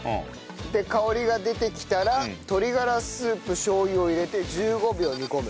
香りが出てきたら鶏がらスープしょう油を入れて１５秒煮込む。